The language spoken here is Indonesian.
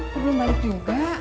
kok belum balik juga